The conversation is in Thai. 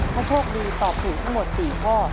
ถ้าโชคดีตอบถูกทั้งหมด๔ข้อ